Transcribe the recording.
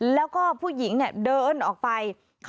แล้วก็ผู้หญิงเดินออกไป